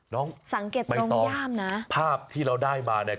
น้องสังเกตตรงย่ามนะไม่ต้องภาพที่เราได้มาเนี้ย